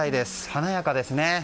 華やかですね。